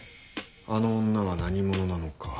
あの女は何者なのか。